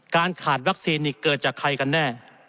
การขาดวัคซีนนี่เกิดจากใครกันแน่